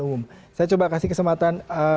umum saya coba kasih kesempatan